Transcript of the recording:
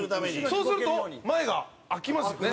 そうすると、前が空きますよね。